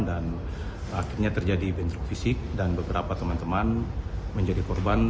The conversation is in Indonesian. dan akhirnya terjadi bentruk fisik dan beberapa teman teman menjadi korban